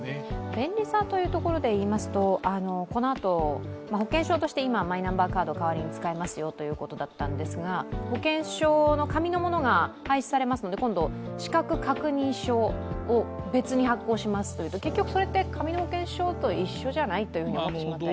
便利さというところでいいますと、このあと保険証としてマイナンバーカードを代わりに使えますよということだったんですが、保険証の紙のものが廃止され今度、資格確認書を別に発行しますとなると結局それって紙の保険証と一緒じゃないということですよね。